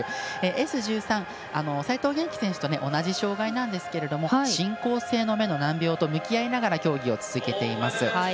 Ｓ１３、齋藤元希選手と同じ障がいなんですけれども進行性の目の難病と向き合いながら競技を続けています。